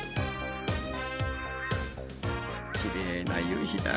きれいな夕日だ。